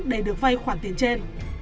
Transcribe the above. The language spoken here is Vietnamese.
để được vay khoản tiền trên